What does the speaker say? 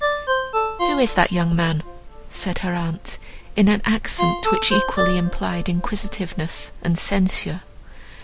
"Who is that young man?" said her aunt, in an accent which equally implied inquisitiveness and censure.